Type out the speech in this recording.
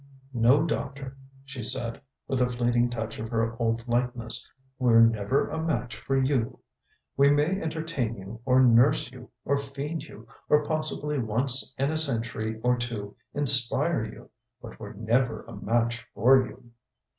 "No, Doctor," she said, with a fleeting touch of her old lightness, "we're never a match for you. We may entertain you or nurse you or feed you, or possibly once in a century or two inspire you; but we're never a match for you."